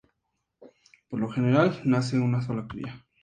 Por lo general, nace una sola cría.